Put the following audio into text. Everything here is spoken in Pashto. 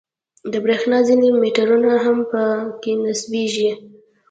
د برېښنا ځینې میټرونه هم په کې نصبېږي.